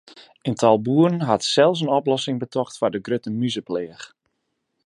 In tal boeren hat sels in oplossing betocht foar de grutte mûzepleach.